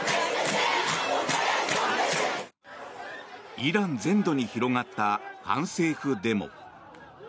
イラン全土に広がった反政府デモ。